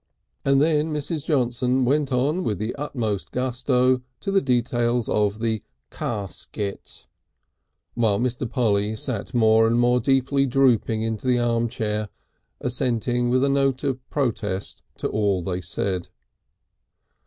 And then Mrs. Johnson went on with the utmost gusto to the details of the "casket," while Mr. Polly sat more and more deeply and droopingly into the armchair, assenting with a note of protest to all they said.